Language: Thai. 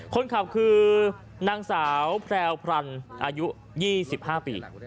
คนขับคือนางสาวแพรวพรรณอายุ๒๕ปี